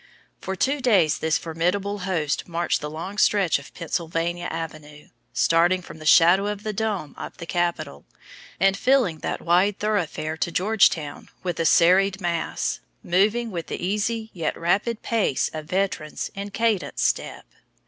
For two days this formidable host marched the long stretch of Pennsylvania Avenue, starting from the shadow of the dome of the Capitol, and filling that wide thoroughfare to Georgetown with a serried mass, moving with the easy yet rapid pace of veterans in cadence step.